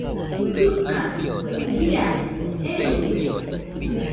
Jɨkadɨkue, iadedɨ jeruide